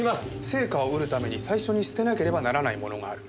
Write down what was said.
「成果を得るために最初に捨てなければならないものがある」